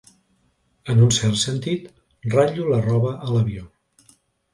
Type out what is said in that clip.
En un cert sentit, ratllo la roba a l'avió.